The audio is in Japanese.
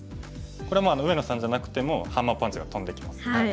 これもう上野さんじゃなくてもハンマーパンチが飛んできます。